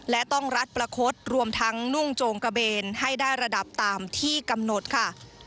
และต้องรัดประคดรวมทั้งนุ่งโจงกระเบนให้ได้ระดับตามที่กำหนดค่ะ